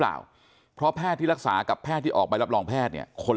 เปล่าเพราะแพทย์ที่รักษากับแพทย์ที่ออกใบรับรองแพทย์เนี่ยคน